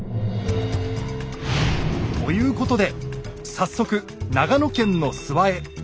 ということで早速長野県の諏訪へ。